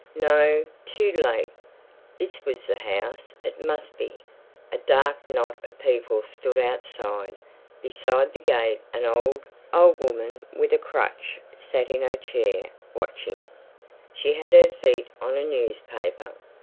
No, too late. This was the house. It must be. A dark knot of people stood outside. Beside the gate an old, old woman with a crutch sat in a chair, watching. She had her feet on a newspaper.